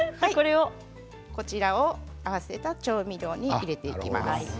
こちらを合わせた調味料に入れていきます。